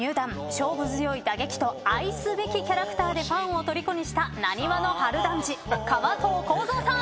勝負強い打撃と愛すべきキャラクターでファンをとりこにした浪速の春団治川藤幸三さん。